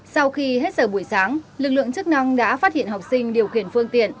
sau khi hết giờ buổi sáng lực lượng chức năng đã phát hiện học sinh điều khiển phương tiện